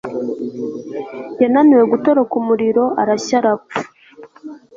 yananiwe gutoroka umuriro arashya arapfa